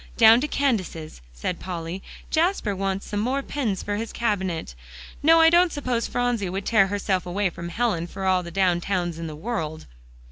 "Down to Candace's," said Polly. "Jasper wants some more pins for his cabinet. No, I don't suppose Phronsie would tear herself away from Helen for all the down towns in the world."